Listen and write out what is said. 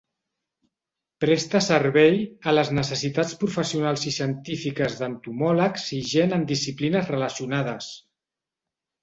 Presta servei a les necessitats professionals i científiques d'entomòlegs i gent en disciplines relacionades.